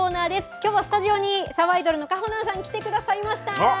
きょうはスタジオに、さばいどるのかほなんさんが来てくださいました。